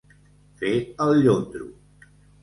Fer el llondro.